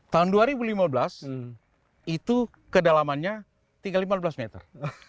tahun dua ribu lima belas itu kedalamannya tiga puluh lima meter